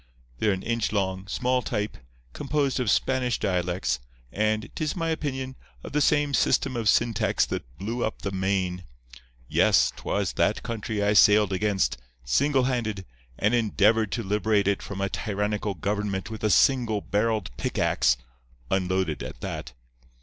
They're an inch long, small type, composed of Spanish dialects, and, 'tis my opinion, of the same system of syntax that blew up the Maine. Yes, 'twas that country I sailed against, single handed, and endeavoured to liberate it from a tyrannical government with a single barreled pickaxe, unloaded at that.